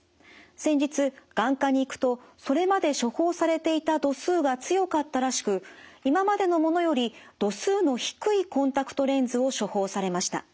先日眼科に行くとそれまで処方されていた度数が強かったらしく今までのものより度数の低いコンタクトレンズを処方されました。